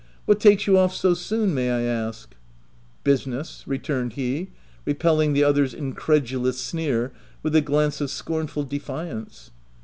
What takes you off so soon, may* I ask ?" u Business,' ' returned he, repelling the other's incredulous sneer with a glance of scornful defiance.